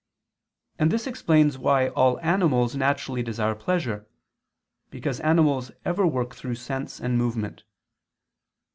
And this explains why all animals naturally desire pleasure: because animals ever work through sense and movement.